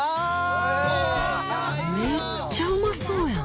めっちゃうまそうやん！